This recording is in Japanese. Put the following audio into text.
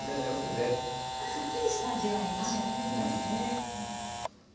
すっきりした味わいに仕上がりますね。